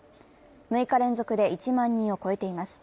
６日連続で１万人を超えています。